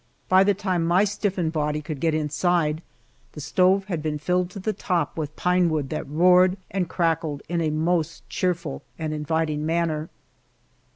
By the time my stiffened body could get inside, the stove had been filled to the top with pine wood that roared and crackled in a most cheerful and inviting manner.